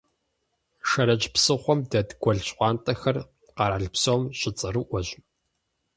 Шэрэдж псыхъуэм дэт Гуэл щхъуантӀэхэр къэрал псом щыцӀэрыӀуэщ.